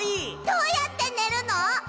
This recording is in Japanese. どうやってねるの？